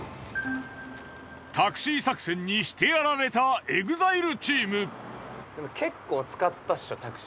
タクシー作戦にしてやられたＥＸＩＬＥチーム。